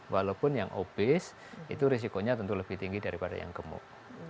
walaupun yang obes itu risikonya tentu lebih tinggi daripada yang gemuk